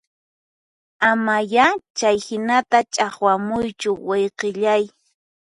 Ama ya chayhinata ch'aqwamuychu wayqillay